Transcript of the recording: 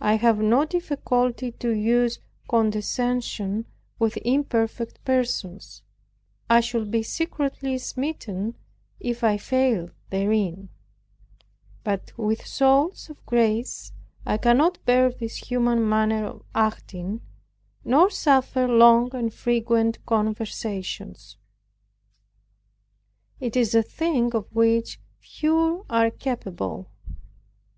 I have no difficulty to use condescension with imperfect persons; I should be secretly smitten if I failed therein; but with souls of grace I cannot bear this human manner of acting, nor suffer long and frequent conversations. It is a thing of which few are capable.